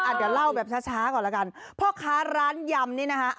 เดี๋ยวเล่าแบบช้าช้าก่อนแล้วกันพ่อค้าร้านยำนี่นะคะ